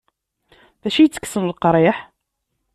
D acu itekksen leqriḥ?